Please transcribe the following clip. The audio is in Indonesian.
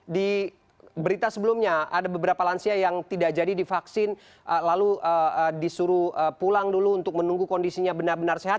di berita sebelumnya ada beberapa lansia yang tidak jadi divaksin lalu disuruh pulang dulu untuk menunggu kondisinya benar benar sehat